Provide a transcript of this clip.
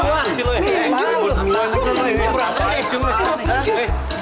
apaan sih lo semua orang orang duluan juga